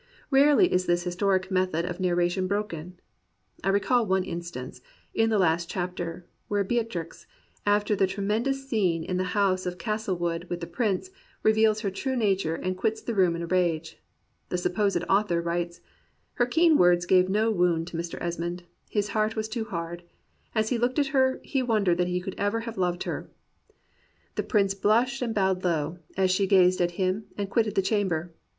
Rarely is this historic method of narration broken. I recall one instance, in the last chapter, where Beatrix, after that tremendous scene in the house of Castlewood with the Prince, reveals her true nature and quits the room in a rage. The supposed author writes : "Her keen words gave no wound to Mr. Esmond; his heart was too hard. As he looked at her, he wondered that he could ever have loved her. ... 124 THACKERAY AND REAL MEN The Prince blushed and bowed low, as she gazed at him and quitted the chamber.